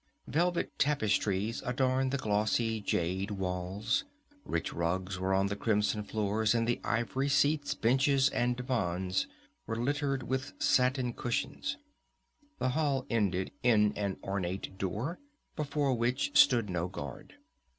Velvet tapestries adorned the glossy jade walls, rich rugs were on the crimson floors, and the ivory seats, benches and divans were littered with satin cushions. The hall ended in an ornate door, before which stood no guard.